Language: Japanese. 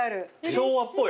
昭和っぽい。